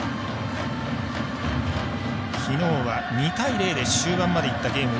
きのうは２対０で終盤までいったゲーム。